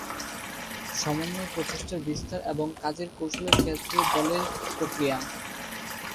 সমন্বয়, প্রচেষ্টার বিস্তার এবং কাজের কৌশলের ক্ষেত্রে দলের প্রক্রিয়া।